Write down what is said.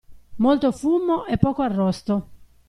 Molto fumo e poco arrosto.